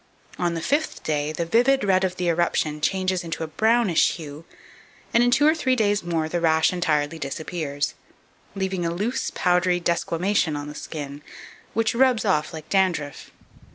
On the fifth day, the vivid red of the eruption changes into a brownish hue; and, in two or three days more, the rash entirely disappears, leaving a loose powdery desquamation on the skin, which rubs off like dandriff.